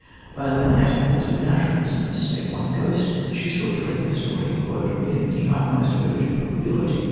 By eliminating all supernatural incidents save one ghost, she sought to bring her story "within the utmost verge of probability."